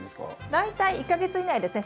大体１か月以内ですね。